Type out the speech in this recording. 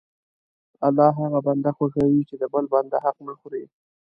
الله هغه بنده خوښوي چې د بل بنده حق نه خوري.